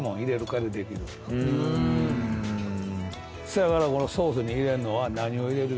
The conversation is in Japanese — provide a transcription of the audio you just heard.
そやからこのソースに入れんのは何を入れる。